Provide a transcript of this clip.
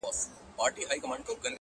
o خدايه هغه زما د کور په لار سفر نه کوي.